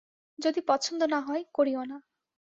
যদি পছন্দ না হয়, করিও না।